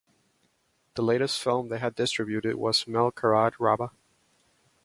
The latest film, they had distributed was "Mel Karade Rabba".